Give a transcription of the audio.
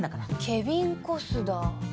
ケビンコスダー。